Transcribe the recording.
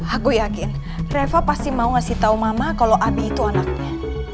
aku yakin reva pasti mau ngasih tahu mama kalau abi itu anaknya